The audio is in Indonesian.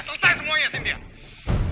selesai semuanya sitiah